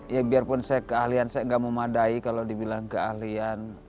ya biarpun saya keahlian saya nggak memadai kalau dibilang keahlian